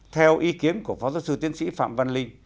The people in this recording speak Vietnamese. theo ý kiến của phó giáo sư tiến sĩ phạm văn linh